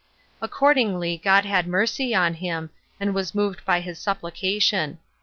Accordingly God had mercy on him, and was moved by his supplication.